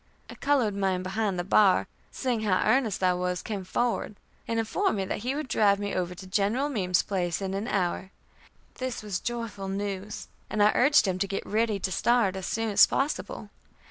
A colored man behind the bar, seeing how earnest I was, came forward, and informed me that he would drive me over to General Meem's place in an hour. This was joyful news, and I urged him to get ready to start as soon as possible.